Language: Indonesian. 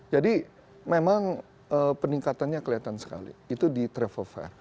jadi memang peningkatannya kelihatan sekali itu di travel fair